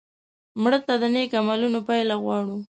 مړه ته د نیک عملونو پایله غواړو